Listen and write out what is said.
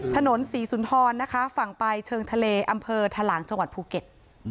ถนนศรีสุนทรนะคะฝั่งไปเชิงทะเลอำเภอทะหลางจังหวัดภูเก็ต